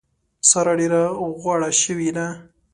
سارا ډېره غوړه شوې ده.